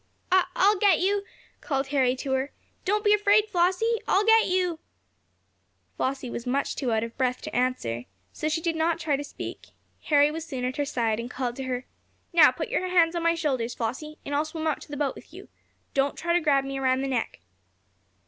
"I I'll get you!" called Harry to her. "Don't be afraid, Flossie! I'll get you!" Flossie was too much out of breath to answer, so she did not try to speak. Harry was soon at her side, and called to her: "Now put your hands on my shoulders, Flossie, and I'll swim to the boat with you. Don't try to grab me around the neck."